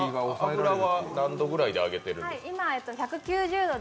油は何度ぐらいで揚げてるんですか？